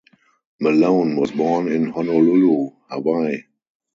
Malone was born in Honolulu, Hawaii.